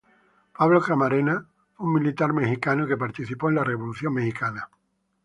Pablo Camarena fue un militar mexicano que participó en la Revolución mexicana.